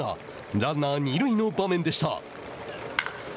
ランナー二塁の場面でした。